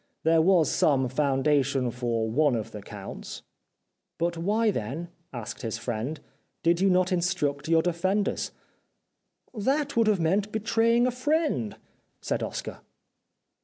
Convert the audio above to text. There was some foundation for one of the counts." " But then why," asked his friend, " did you not instruct your defenders ?"" That would have meant betraying a friend," said Oscar.